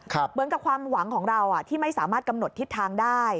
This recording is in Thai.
เหมือนกับความหวังของเราที่ไม่สามารถกำหนดทิศทางได้